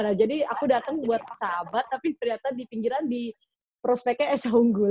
nah jadi aku datang buat sahabat tapi ternyata di pinggiran di prospeknya es unggul